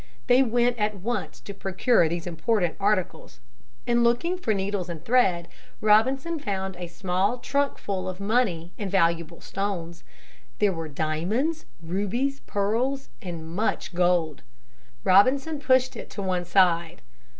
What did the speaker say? They went at once to procure these important articles. In looking for needles and thread, Robinson found a small trunk full of money and valuable stones. There were diamonds, rubies, pearls, and much gold. Robinson pushed it to one side.